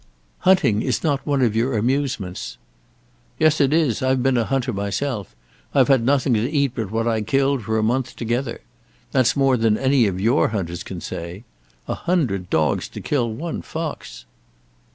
"Hunting is not one of your amusements." "Yes it is. I've been a hunter myself. I've had nothing to eat but what I killed for a month together. That's more than any of your hunters can say. A hundred dogs to kill one fox!"